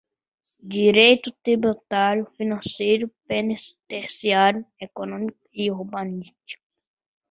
direito tributário, financeiro, penitenciário, econômico e urbanístico;